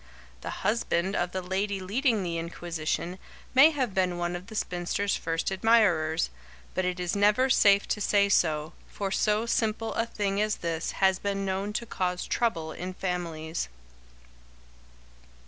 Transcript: The husband of the lady leading the inquisition may have been one of the spinster's first admirers, but it is never safe to say so, for so simple a thing as this has been known to cause trouble in families.